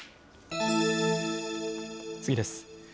次です。